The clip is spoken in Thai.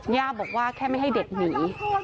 ย่าบอกว่าแค่ไม่ให้เด็กหนี